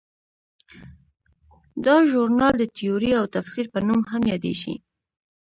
دا ژورنال د تیورۍ او تفسیر په نوم هم یادیږي.